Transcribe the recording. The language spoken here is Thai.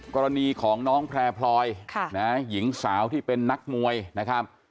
กรณีของน้องแพร่พลอยหญิงสาวที่เป็นนักมวยนะครับ